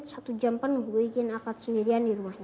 satu jam penuh bu ikin akan sendirian di rumahnya